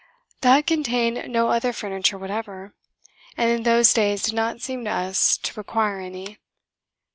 The hut contained no other furniture whatever, and in those days did not seem to us to require any.